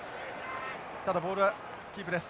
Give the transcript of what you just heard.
ただボールキープです。